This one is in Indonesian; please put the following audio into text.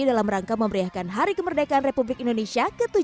dalam rangka memberiakan hari kemerdekaan republik indonesia ke tujuh puluh